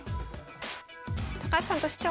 高橋さんとしては。